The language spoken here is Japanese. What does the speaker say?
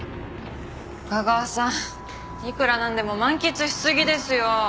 架川さんいくらなんでも満喫しすぎですよ。